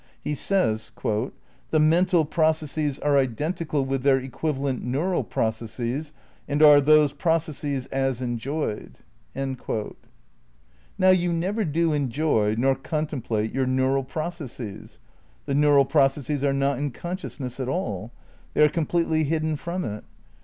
He says "The mental processes are identical with their equivalent neural processes and are those processes as enjoyed." ^ Now you never do enjoy (nor contemplate) your neural processes. The neural processes are not in consciousness at all. They are completely hidden from it.